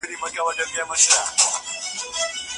په نړۍ کي د بدۍ مخه ونیسئ.